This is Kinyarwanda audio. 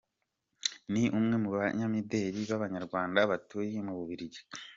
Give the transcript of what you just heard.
Ni umwe mu banyamideli b’Abanyarwanda batuye mu Bubiligi.